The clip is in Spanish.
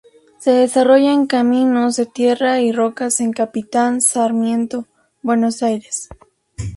Se desarrolla en caminos de tierra y rocas en Capitán Sarmiento, Buenos Aires.